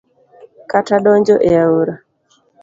Kata donjo e aora